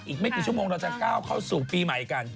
อีกไม่กี่ชั่วโมงเราจะก้าวเข้าสู่ปีใหม่กัน